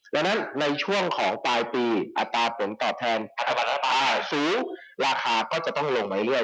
ดังนั้นในช่วงของปลายปีอัตราผลตอบแทนอัธบัตรัฐบาลสูงราคาก็จะต้องลงไปเรื่อย